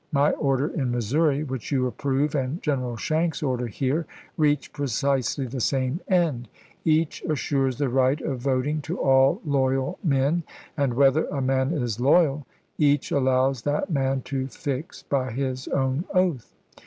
My order in Missouri, which you approve, and General Schenck's order here, reach precisely the same end. Each assures the right of voting to all loyal men, and whether a man is loyal, each allows that man to fix by his own oath.